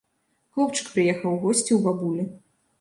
Хлопчык прыехаў у госці ў бабулі.